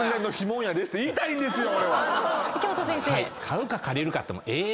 池本先生。